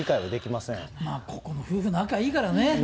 ここの夫婦、仲いいからね。